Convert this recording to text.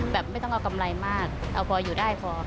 ไม่ต้องเอากำไรมากเอาพออยู่ได้พอ